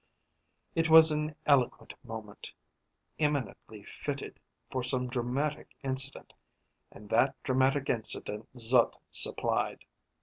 It was an eloquent moment, eminently fitted for some dramatic incident, and that dramatic incident Zut supplied.